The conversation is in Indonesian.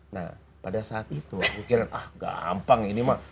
nah pada saat itu aku kira ah gampang ini mah